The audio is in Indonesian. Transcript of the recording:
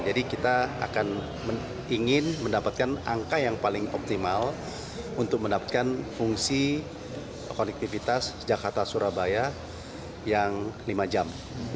jadi kita akan ingin mendapatkan angka yang paling optimal untuk mendapatkan fungsi konektivitas jakarta surabaya yang lima jam